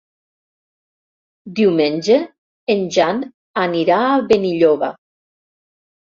Diumenge en Jan anirà a Benilloba.